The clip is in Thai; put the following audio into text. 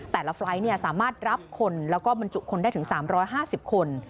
แต่ละไฟล์ทสามารถรับคนและบรรจุคนได้ถึง๓๕๐คน